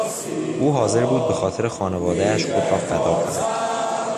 او حاضر بود به خاطر خانوادهاش خود را فدا کند.